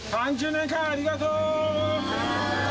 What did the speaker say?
３０年間ありがとう！